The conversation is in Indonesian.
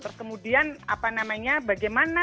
terus kemudian apa namanya bagaimana